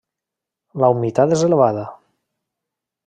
La humitat és elevada.